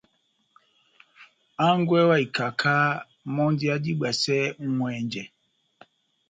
Hángwɛ wa ikaká mɔ́ndi adibwasɛ ŋʼwɛnjɛ.